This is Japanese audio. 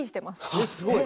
えっすごい。